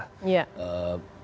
begitu juga di indonesia